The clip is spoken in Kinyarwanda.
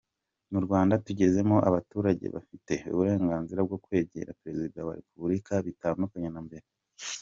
Mu Rwanda tugezemo abaturage bafite uburenganzira bwo kwegera Perezida wa Repubulika bitandukanye na mbere.